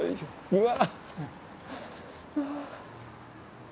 うわ！